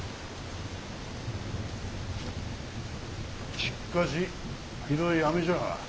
しかしひどい雨じゃ。